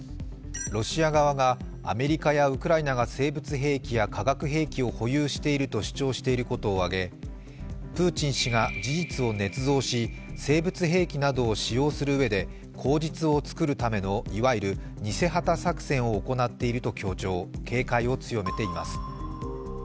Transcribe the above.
ロシア側がアメリカやウクライナが生物兵器や化学兵器を保有していると主張していることを挙げ、プーチン氏が事実をねつ造し生物兵器などを使用するうえで口実をつくるためのいわゆる偽旗作戦を行っていると強調警戒を強めています。